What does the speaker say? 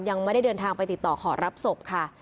ยังไม่ได้เดินทางไปติดต่อขอรับศพค่ะ